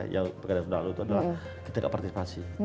yang sudah kita lakukan adalah ketidakpartisipasi